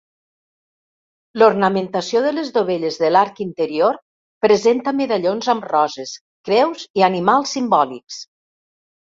L'ornamentació de les dovelles de l'arc interior presenta medallons amb roses, creus i animals simbòlics.